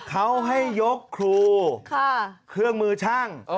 เขาให้ยกครูเครื่องมือช่าง